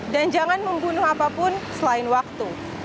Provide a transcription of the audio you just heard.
dan jangan membunuh apapun selain waktu